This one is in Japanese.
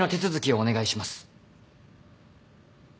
お願いします！